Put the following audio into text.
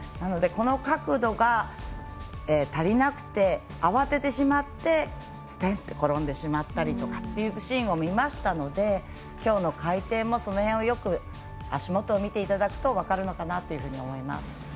この角度が足りなくて慌ててしまってすてんと転んでしまったりというシーンを見ましたので、きょうの回転もその辺をよく足元を見ていただくと分かるのかなと思います。